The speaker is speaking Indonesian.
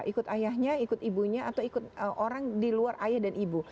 ikut ayahnya ikut ibunya atau ikut orang di luar ayah dan ibu